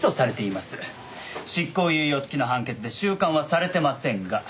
執行猶予付きの判決で収監はされてませんが。